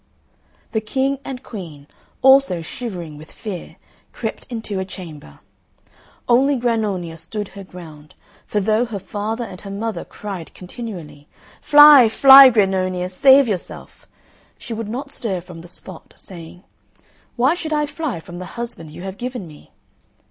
The King and Queen, also, shivering with fear, crept into a chamber. Only Grannonia stood her ground; for though her father and her mother cried continually, "Fly, fly, Grannonia, save yourself," she would not stir from the spot, saying, "Why should I fly from the husband you have given me?"